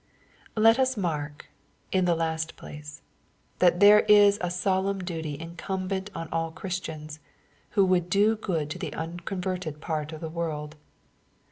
Let us mark, in the last place, that there is a solemn duty incumbent on all Christians, who would do good to the unconverted part of the world.